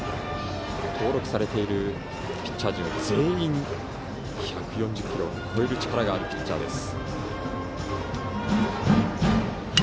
登録されているピッチャー陣全員が１４０キロを超える力があるピッチャーです。